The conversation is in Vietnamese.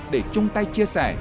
để chung tay chia sẻ